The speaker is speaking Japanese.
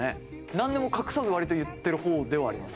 なんでも隠さず割と言ってる方ではあります。